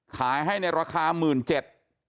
ขายให้ในราคา๑๗๐๐บาท